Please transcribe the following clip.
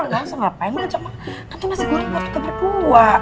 gak usah ngapain aja mah tante masih gue ribet ke berdua